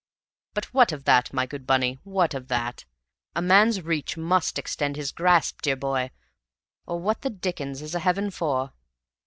But what of that, my good Bunny what of that? A man's reach must exceed his grasp, dear boy, or what the dickens is a heaven for?"